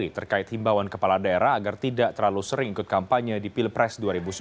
terkait himbawan kepala daerah agar tidak terlalu sering ikut kampanye di pilpres dua ribu sembilan belas